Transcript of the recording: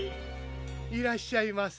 ・いらっしゃいませ。